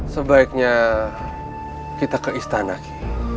sebaiknya kita ke istana